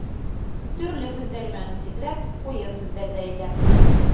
Төрлө һүҙҙәр менән үсекләп, уйын һүҙҙәр ҙә әйтә.